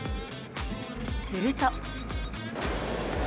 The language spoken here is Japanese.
すると。